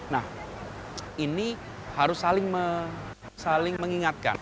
nah ini harus saling mengingatkan